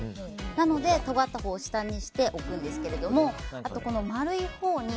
なのでとがったほうを下にして置くんですけれどもあと、丸いほうに